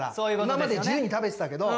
今まで自由に食べてたけど。